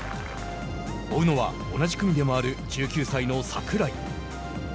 追うのは同じ組で回る１９歳の櫻井。